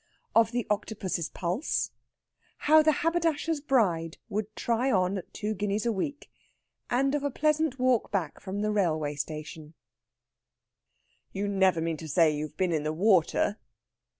OF THE OCTOPUS'S PULSE, HOW THE HABERDASHER'S BRIDE WOULD TRY ON AT TWO GUAS. A WEEK, AND OF A PLEASANT WALK BACK FROM THE RAILWAY STATION "You never mean to say you've been in the water?"